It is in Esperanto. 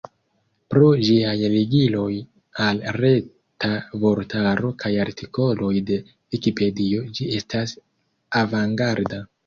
Pro ĝiaj ligiloj al Reta Vortaro kaj artikoloj de Vikipedio ĝi estas avangarda.